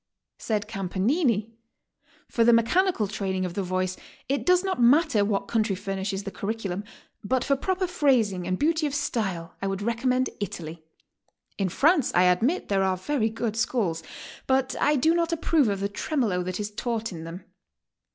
Said Campanini: "For the mechanical training of the voice, it does not matter what country furnishes the curri culum, but for proper phrasing and beauty of style I would recommend Italy. In France, I admit, there are very go'od schools, but I do not approve of the tremolo that is taught in them.